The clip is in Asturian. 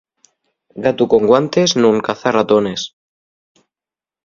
Gatu con guantes nun caza ratones.